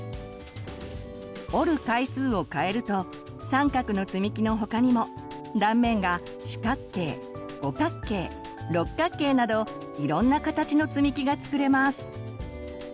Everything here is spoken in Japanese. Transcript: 折る回数を変えると三角のつみきの他にも断面が四角形五角形六角形などいろんな形のつみきが作れます。